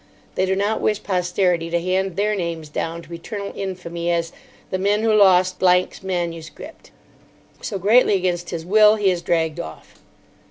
They do not wish Posterity to hand their names down to eternal infamy as "the men who lost Blank's manuscript." So, greatly against his will, he is dragged off.